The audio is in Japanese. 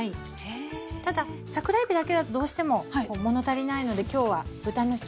ただ桜えびだけだとどうしても物足りないので今日は豚のひき肉も入れました。